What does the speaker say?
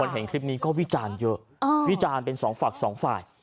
เห็นคลิปนี้ก็วิจารณ์เยอะวิจารณ์เป็นสองฝั่งสองฝ่าย